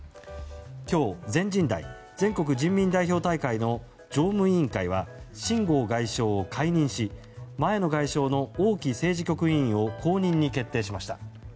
今日、全人代・全国人民代表大会の常務委員会はシン・ゴウ外相を解任し前の外相の王毅政治局委員を後任に決定しました。